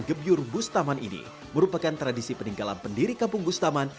gebyur bustaman ini merupakan tradisi peninggalan pendiri kampung bustaman